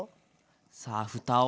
さあふたを。